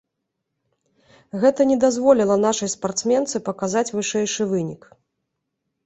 Гэта не дазволіла нашай спартсменцы паказаць вышэйшы вынік.